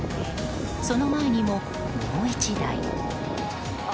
その前にももう１台。